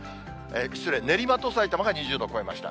失礼、練馬とさいたまが２０度を超えました。